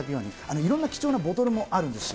いろんな貴重なボトルもあるんですよ。